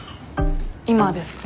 今ですか？